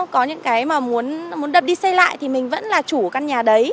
có những cái mà muốn đập đi xây lại thì mình vẫn là chủ căn nhà đấy